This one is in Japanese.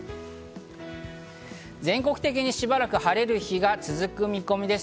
全国的にしばらく晴れる日が続く見込みです。